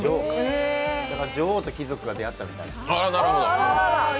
だから女王と貴族が出会ったみたいな。